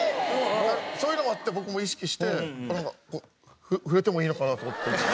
そういうのもあって僕も意識してなんかこう触れてもいいのかなと思って。